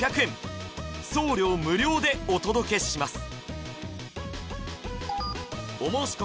送料無料でお届けします